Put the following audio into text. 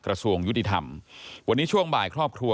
กระทรวงยุติธรรมวันนี้ช่วงบ่ายครอบครัว